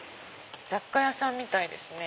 雑貨屋さんみたいですね。